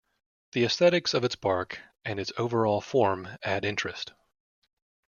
The aesthetics of its bark and its overall form add interest.